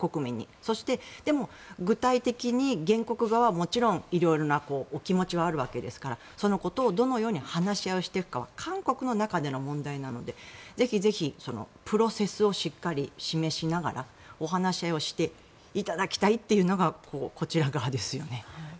そして、でも具体的に原告側はもちろん色々なお気持ちはあるわけですからそのことをどのように話し合いをしていくかは韓国の中での問題なのでぜひぜひプロセスをしっかり示しながらお話合いをしていただきたいというのがこちら側ですよね。